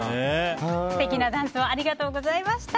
素敵なダンスをありがとうございました。